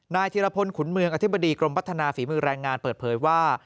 ธิรพลขุนเมืองอธิบดีกรมพัฒนาฝีมือแรงงานเปิดเผยว่า